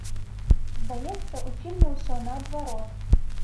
Здаецца, у фільме ўсё наадварот.